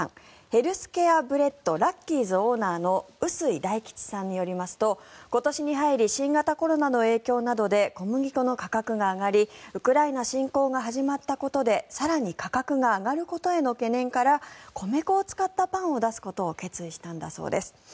ヘルスケアブレッドラッキーズオーナーの臼井大吉さんによりますと今年に入り新型コロナの影響などで小麦粉の価格が上がりウクライナ侵攻が始まったことで更に価格が上がることへの懸念から米粉を使ったパンを出すことを決意したんだそうです。